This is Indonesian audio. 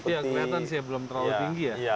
ya kelihatan sih belum terlalu tinggi ya